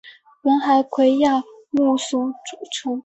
本海葵亚目所组成。